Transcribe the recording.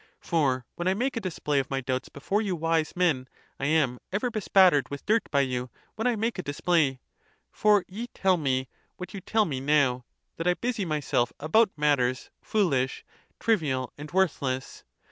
For when I make a display of my doubts before you wise men, I am ever bespattered with dirt by you 7when I make a display. [56.] For ye tell meé what you tell me now, that I busy myself about matters fool ish, trivial, and worthless.